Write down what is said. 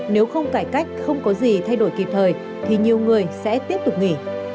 nếu không cải cách không có gì thay đổi kịp thời thì nhiều người sẽ tiếp tục nghỉ